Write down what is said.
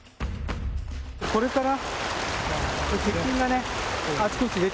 これかな。